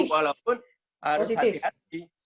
walaupun harus hati hati